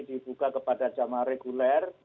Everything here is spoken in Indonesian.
dibuka kepada jamaah reguler